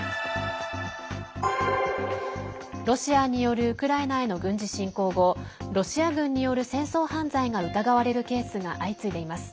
ロシアによるウクライナへの軍事侵攻後ロシア軍による戦争犯罪が疑われるケースが相次いでいます。